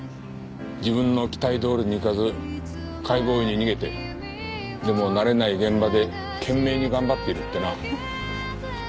自分の期待どおりにいかず解剖医に逃げてでも慣れない現場で懸命に頑張っているってな。